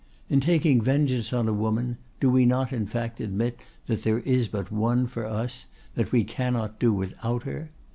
In taking vengeance on a woman, do we not in fact admit that there is but one for us, that we cannot do without her?